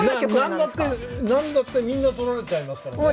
何だって何だってみんな取られちゃいますからねえ。